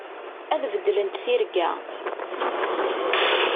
Ad beddlent tirga.